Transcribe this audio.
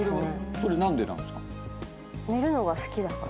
それ何でなんすか？